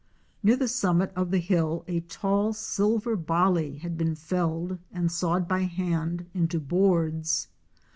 Near the summit of the hill a tall Silverballi had been felled and sawed by hand into boards.